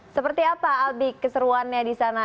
seperti apa albi keseruannya di sana